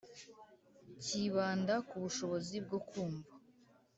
kibanda ku bushobozi bwo kumva